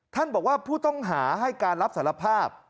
บอกว่าผู้ต้องหาให้การรับสารภาพ